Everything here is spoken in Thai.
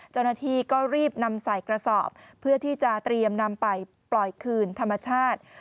เจ้าหน้าที่ก็รีบนำใส่กระสอบเพื่อที่จะเตรียมนำไปปล่อยคืนธรรมชาติ